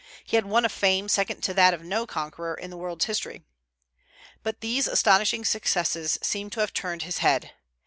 He had won a fame second to that of no conqueror in the world's history. But these astonishing successes seem to have turned his head.